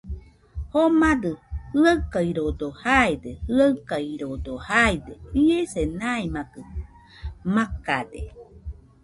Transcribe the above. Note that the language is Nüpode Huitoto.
Jomadɨ jɨaɨkaɨrodo jaide, jaɨkaɨrodo jaide. Iese maimakɨ makade.